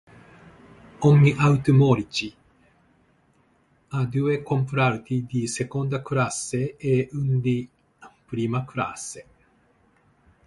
Ogni automotrice ha due comparti di seconda classe e uno di prima classe.